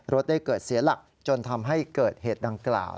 รถได้เกิดเสียหลักจนทำให้เกิดเหตุดังกล่าว